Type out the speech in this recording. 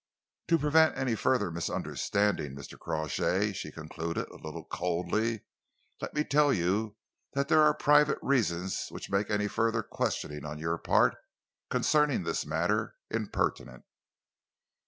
"Then to prevent any further misunderstanding, Mr. Crawshay," she concluded, a little coldly, "let me tell you that there are private reasons which make any further questioning on your part, concerning this matter, impertinent."